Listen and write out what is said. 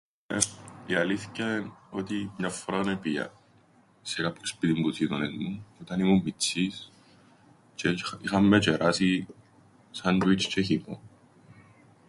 Η αλήθκεια εν ότι μιαν φοράν επήα σε κάποιον σπίτιν που τους γείτονες μου, όταν ήμουν μιτσής, τζ̆αι είχαν με τζ̆εράσει σάντουιτς̆ τζ̆αι χυμόν.